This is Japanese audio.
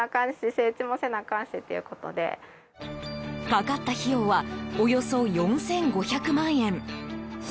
かかった費用はおよそ４５００万円。